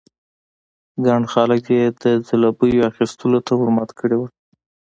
ګڼ خلک یې د ځلوبیو اخيستلو ته ور مات کړي وو.